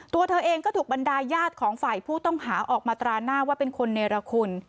ตัวเธอเองก็ถูกบรรดาญาติของฝ่ายผู้ต้องหาออกมาตราหน้าว่าเป็นคนเนรคุณ